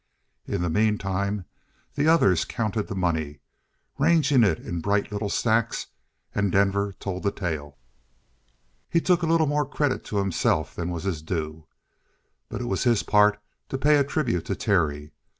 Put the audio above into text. In the meantime the others counted the money, ranging it in bright little stacks; and Denver told the tale. He took a little more credit to himself than was his due. But it was his part to pay a tribute to Terry.